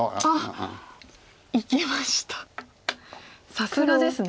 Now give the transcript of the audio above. さすがですね。